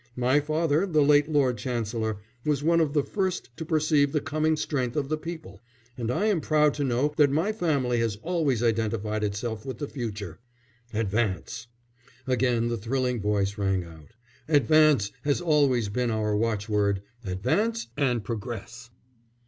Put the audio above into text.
My father, the late Lord Chancellor, was one of the first to perceive the coming strength of the people. And I am proud to know that my family has always identified itself with the future. Advance," again the thrilling voice rang out. "Advance has always been our watchword, advance and progress."